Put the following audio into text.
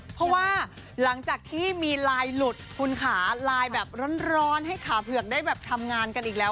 เพราะว่าหลังจากที่มีลายหลุดคุณขาลายแบบร้อนให้ขาเผือกได้แบบทำงานกันอีกแล้ว